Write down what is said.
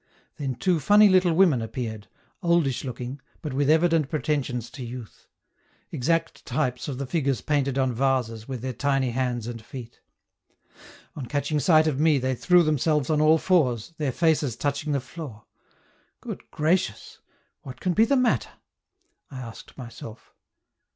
Then two funny little women appeared, oldish looking, but with evident pretensions to youth: exact types of the figures painted on vases, with their tiny hands and feet. On catching sight of me they threw themselves on all fours, their faces touching the floor. Good gracious! What can be the matter? I asked myself.